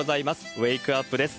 ウェークアップです。